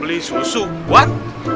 beli susu buat